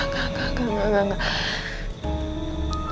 enggak enggak enggak enggak enggak